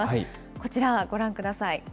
こちら、ご覧ください。